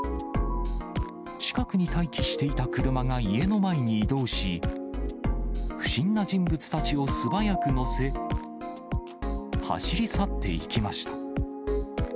近くに待機していた車が家の前に移動し、不審な人物たちを素早く乗せ、走り去っていきました。